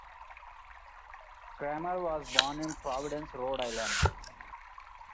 Kramer was born in Providence, Rhode Island.